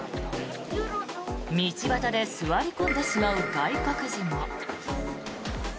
道端で座り込んでしまう外国人も。